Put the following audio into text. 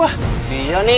iya nih macet banget